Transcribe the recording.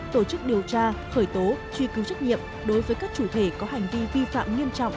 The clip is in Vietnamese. tổ chức điều tra khởi tố truy cứu trách nhiệm đối với các chủ thể có hành vi vi phạm nghiêm trọng